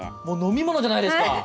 もう飲み物じゃないですか。